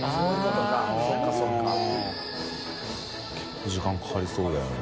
觜時間かかりそうだよね。